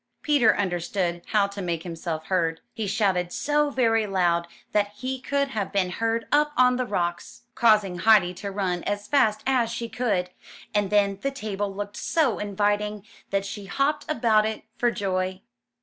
Peter understood how to make himself heard. He shouted so very loud that he could have been heard up on the rocks, causing Heidi to run as fast as she could; and then the table looked so inviting, that she hopped about it for joy.